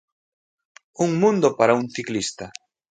Un mundo para un ciclista.